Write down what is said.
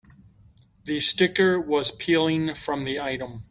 The sticker was peeling from the item.